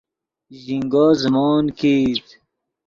ژینگو زیموت کیت